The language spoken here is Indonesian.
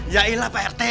yailah pak rt